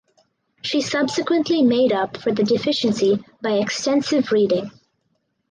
She subsequently made up for the deficiency by extensive reading.